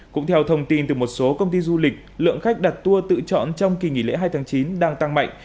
cũng theo thông tin từ một số công ty du lịch lượng khách đặt tour tự chọn trong kỳ nghỉ lễ hai tháng chín đang tăng mạnh